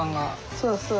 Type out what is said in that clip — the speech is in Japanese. そうそう。